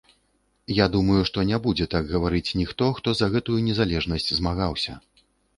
Я думаю, што не будзе так гаварыць ніхто, хто за гэтую незалежнасць змагаўся.